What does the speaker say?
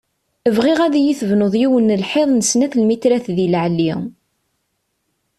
Bɣiɣ ad iyi-tebnuḍ yiwen n lḥiḍ n snat lmitrat di leɛli.